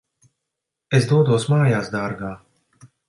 Es dodos mājās, dārgā.